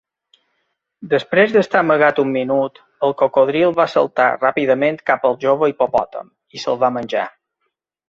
Després d'estar amagat un minut, el cocodril va saltar ràpidament cap al jove hipopòtam i se'l va menjar.